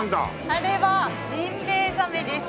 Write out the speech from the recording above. あれはジンベエザメです。